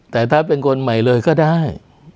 แต่ถ้าเป็นคนใหม่เลยก็ได้